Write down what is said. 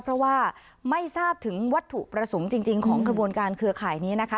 เพราะว่าไม่ทราบถึงวัตถุประสงค์จริงของกระบวนการเครือข่ายนี้นะคะ